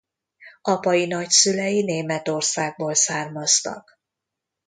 Apai nagyszülei Németországból származtak.